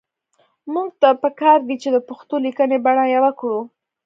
موږ ته پکار دي چې د پښتو لیکنۍ بڼه يوه کړو